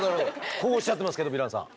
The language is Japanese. こうおっしゃってますけどヴィランさん。